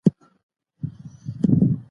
ټولنپوهنه زده کړئ.